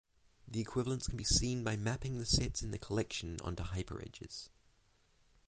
The equivalence can be seen by mapping the sets in the collection onto hyperedges.